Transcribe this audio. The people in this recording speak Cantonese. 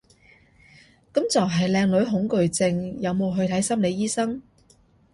噉就係靚女恐懼症，有冇去睇心理醫生？